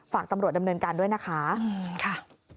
ฝากตำรวจดำเนินการด้วยนะคะค่ะ